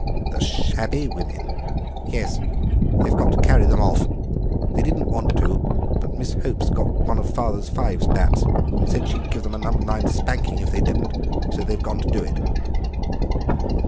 "The shabby women?" "Yes, they've got to carry them off. They didn't want to, but Miss Hope got one of father's fives bats and said she'd give them a number nine spanking if they didn't, so they've gone to do it."